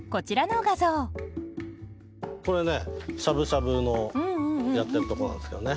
これねしゃぶしゃぶのやってるとこなんですけどね。